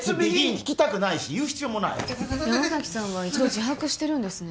聞きたくないし言う必要もないアタタタタ山崎さんは一度自白してるんですね